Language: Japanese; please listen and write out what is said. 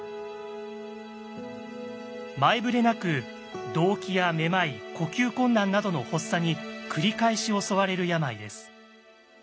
前触れなく動悸やめまい呼吸困難などの発作に繰り返し襲われる病です。